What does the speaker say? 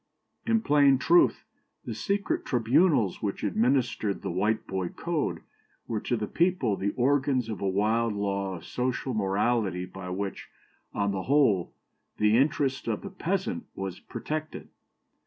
"In plain truth, the secret tribunals which administered the Whiteboy code were to the people the organs of a wild law of social morality by which, on the whole, the interest of the peasant was protected.